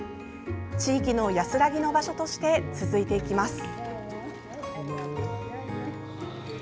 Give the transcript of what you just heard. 地域の安らぎの場所として続いていきます。